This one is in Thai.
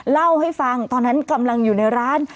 เล่าให้ฟังตอนนั้นกำลังอยู่ในร้าน